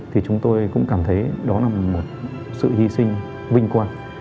thì chúng tôi cũng cảm thấy đó là một sự hy sinh vinh quang